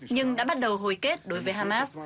nhưng đã bắt đầu hồi kết đối với hamas